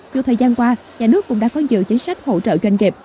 dù thời gian qua nhà nước cũng đã có nhiều chính sách hỗ trợ doanh nghiệp